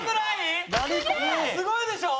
すごいでしょ？